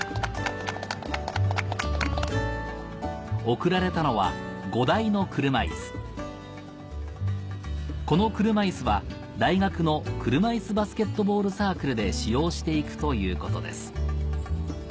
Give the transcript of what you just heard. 贈られたのは５台の車いすこの車いすは大学の車いすバスケットボールサークルで使用していくということです